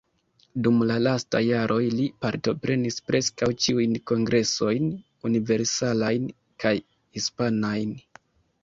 Dum la lastaj jaroj li partoprenis preskaŭ ĉiujn kongresojn universalajn kaj hispanajn.